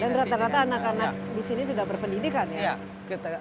dan rata rata anak anak di sini sudah berpendidikan ya